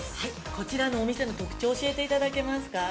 ◆こちらのお店の特徴を教えていただけますか。